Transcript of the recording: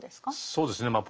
そうですねまあ